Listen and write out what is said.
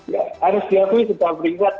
ya harus diakui serta berikat